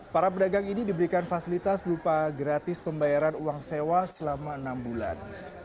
para pedagang ini diberikan fasilitas berupa gratis pembayaran uang sewa selama enam bulan